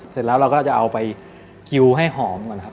เสร็จแล้วเราก็จะเอาไปคิวให้หอมก่อนครับ